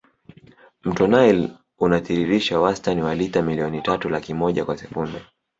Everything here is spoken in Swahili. mto nile unatiririsha wastani wa lita milioni tatu laki moja kwa sekunde